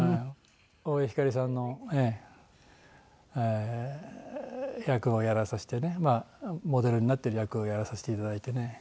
大江光さんの役をやらさせてねモデルになってる役をやらさせていただいてね。